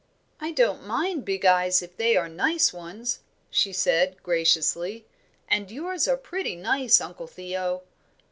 "I don't mind big eyes if they are nice ones," she said, graciously; "and yours are pretty nice, Uncle Theo."